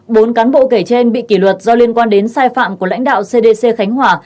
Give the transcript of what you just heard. bốn cán bộ kể trên bị kỷ luật do liên quan đến sai phạm của lãnh đạo cdc khánh hòa